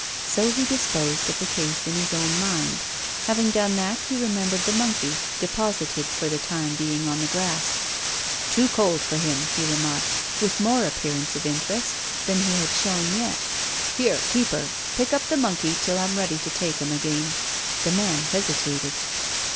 So he disposed of the case in his own mind. Having done that, he remembered the monkey, deposited for the time being on the grass. "Too cold for him," he remarked, with more appearance of interest than he had shown yet. "Here, keeper! Pick up the monkey till I'm ready to take him again." The man hesitated.